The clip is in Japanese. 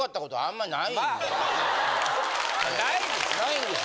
ないです。